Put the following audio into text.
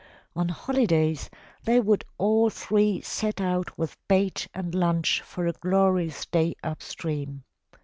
On holidays they would all three set out with bait and lunch for a glorious day up stream.